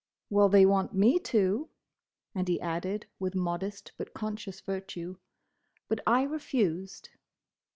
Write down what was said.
"Well, they want me to!" and he added with modest but conscious virtue, "but I refused."